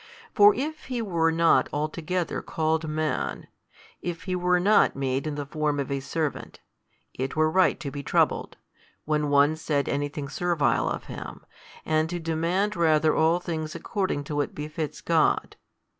For if He were not altogether called Man, if He were not made in the form of a servant, it were right to be troubled, when one said anything servile of Him, and to demand rather all things according to what befits |205 God.